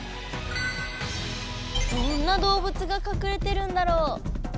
どんなどうぶつがかくれてるんだろう？